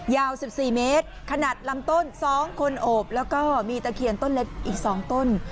ยาว๑๔เมตรขนาดลำต้น๒คนโอบแล้วก็มีตะเคียนต้นเล็กอีก๒ต้น